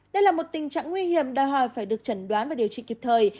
đây là một tình trạng nguy hiểm đòi hỏi phải được chẩn đoán và điều trị kịp thời